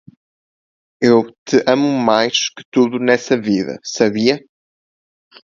Eu te amo mais que tudo nessa vida, sabia?